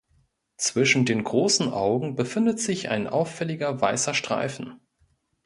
Zwischen den großen Augen befindet sich ein auffälliger weißer Streifen.